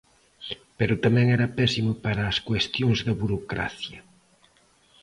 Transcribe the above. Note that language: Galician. pero tamén era pésimo para as cuestións da burocracia.